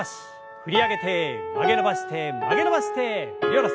振り上げて曲げ伸ばして曲げ伸ばして振り下ろす。